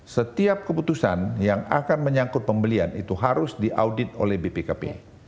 setiap keputusan yang akan menyangkut pembelian itu harus diaudit oleh bpkp